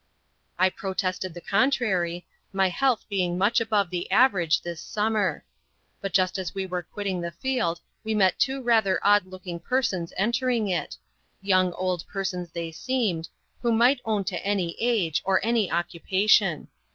I protested the contrary, my health being much above the average this summer. But just as we were quitting the field we met two rather odd looking persons entering it, young old persons they seemed, who might own to any age or any occupation.